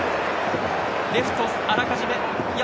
レフト、あらかじめ。